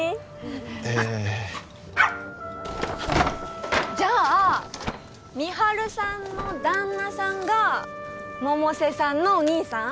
へえじゃ美晴さんの旦那さんが百瀬さんのお兄さん？